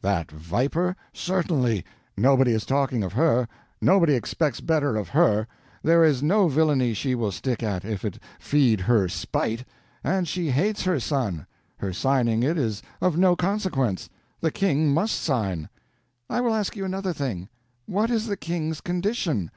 "That viper? Certainly. Nobody is talking of her. Nobody expects better of her. There is no villainy she will stick at, if it feed her spite; and she hates her son. Her signing it is of no consequence. The King must sign." "I will ask you another thing. What is the King's condition?